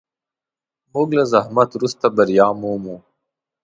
موږ له زحمت وروسته بریا مومو.